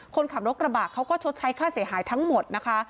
คนขับรถกระบะเขาก็ชดใช้ค่าเสียหายทั้งหมดนะคะ